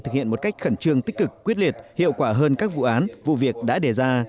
thực hiện một cách khẩn trương tích cực quyết liệt hiệu quả hơn các vụ án vụ việc đã đề ra